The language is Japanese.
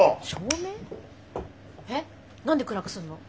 えっ何で暗くするの？